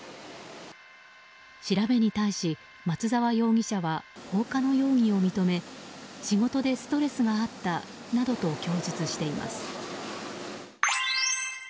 調べに対し、松沢容疑者は放火の容疑を認め仕事でストレスがあったなどと供述しています。